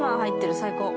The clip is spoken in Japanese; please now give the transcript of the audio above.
最高。